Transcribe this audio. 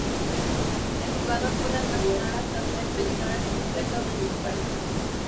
El jugador puede almacenar hasta tres medidores completos de Super.